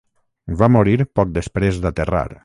Va morir poc desprès d'aterrar.